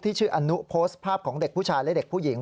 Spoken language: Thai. ชื่ออนุโพสต์ภาพของเด็กผู้ชายและเด็กผู้หญิง